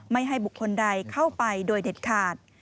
ไม่ให้บุคคลใดเข้าไปโดยเด็ดขาด